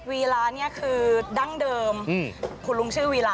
วีระเนี่ยคือดั้งเดิมคุณลุงชื่อวีระ